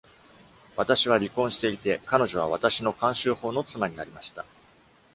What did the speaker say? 私は離婚していて、彼女は私の慣習法の妻になりました。